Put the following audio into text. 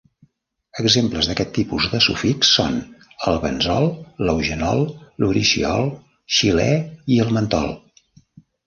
Exemples d'aquest tipus de sufix són el benzol, l'eugenol, l'urushiol, xilè, i el mentol.